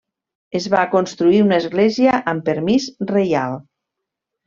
Es va construir una església amb permís reial.